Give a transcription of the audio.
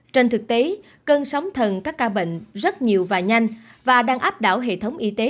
trên thực tế cơn sóng thần các ca bệnh rất nhiều và nhanh và đang áp đảo hệ thống y tế